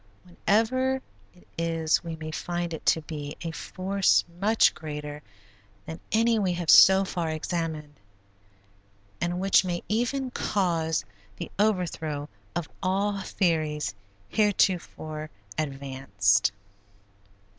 Whenever it is we may find it to be a force much greater than any we have so far examined, and which may even cause the overthrow of all theories heretofore advanced.